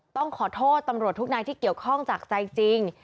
ต้องขอโทษตำรวจทุกนายที่เกี่ยวข้องจากใจจริง